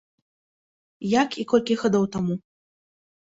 Як і колькі гадоў таму.